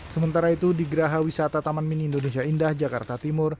sementara itu di geraha wisata taman mini indonesia indah jakarta timur